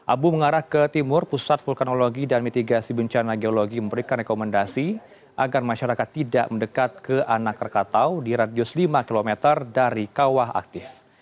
abu mengarah ke timur pusat vulkanologi dan mitigasi bencana geologi memberikan rekomendasi agar masyarakat tidak mendekat ke anak krakatau di radius lima km dari kawah aktif